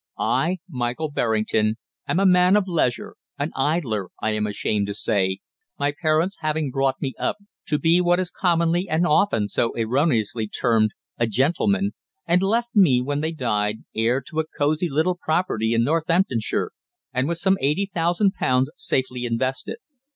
I, Michael Berrington, am a man of leisure, an idler I am ashamed to say, my parents having brought me up to be what is commonly and often so erroneously termed "a gentleman," and left me, when they died, heir to a cosy little property in Northamptonshire, and with some £80,000 safely invested.